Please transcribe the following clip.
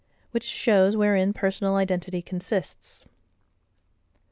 Which shows wherein Personal identity consists.